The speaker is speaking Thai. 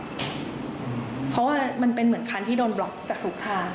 เพราะว่ามันเป็นเหมือนคันที่โดนบล็อกจากทุกทาง